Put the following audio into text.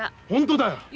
本当だよ。